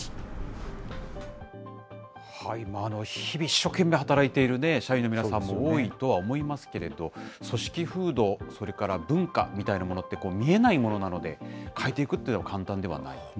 日々、一生懸命働いている社員の皆さんも多いとは思いますけれど、組織風土、それから文化みたいなものって、見えないものなので、変えていくというのは簡単ではない。